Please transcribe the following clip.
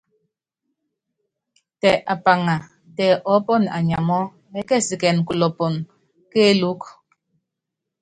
Tɛ apaŋa, tɛ ɔɔ́pɔnɔ anyamɔ́, ɛɛ́kɛsikɛnɛn kulɔ́pɔ kéelúku.